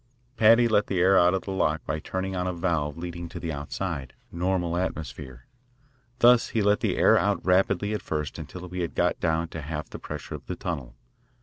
Paddy let the air out of the lock by turning on a valve leading to the outside, normal atmosphere. Thus he let the air out rapidly at first until we had got down to half the pressure of the tunnel.